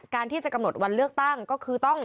ที่จะกำหนดวันเลือกตั้งก็คือต้อง